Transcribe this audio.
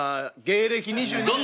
芸歴２２年。